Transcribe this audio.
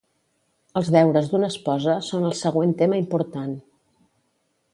Els deures d'una esposa són el següent tema important.